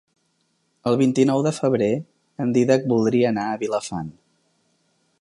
El vint-i-nou de febrer en Dídac voldria anar a Vilafant.